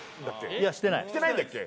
いやしてないしてないんだっけ